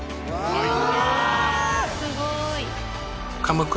すごい。